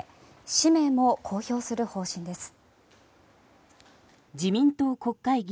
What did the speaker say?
氏名も公表する方針です。